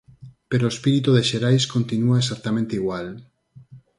Pero o espírito de Xerais continúa exactamente igual.